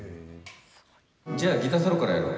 じゃあギターソロからやろう。